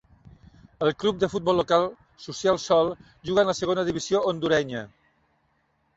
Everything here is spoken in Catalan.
El club de futbol local, Social Sol, juga en la segona divisió hondurenya.